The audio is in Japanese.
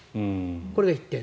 これが１点。